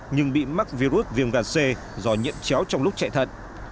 nhưng bị mắc virus viêm gan c do nhận chéo trong lúc chạy thận